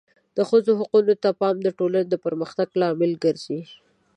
د ښځو حقونو ته پام د ټولنې د پرمختګ لامل ګرځي.